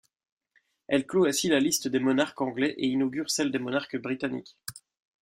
Elle clot ainsi la liste des monarques anglais et inaugure celle des monarques britanniques.